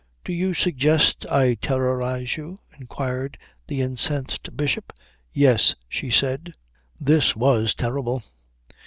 "Do you suggest I terrorize you?" inquired the incensed Bishop. "Yes," she said. This was terrible.